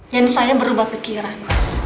dan saya berubah pikiran